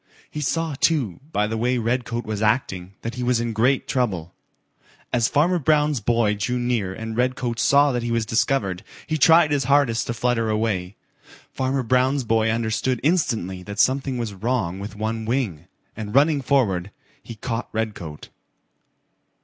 He saw, too, by the way Redcoat was acting, that he was in great trouble. As Farmer Brown's boy drew near and Redcoat saw that he was discovered, he tried his hardest to flutter away. Farmer Brown's boy understood instantly that something was wrong with one wing, and running forward, he caught Redcoat.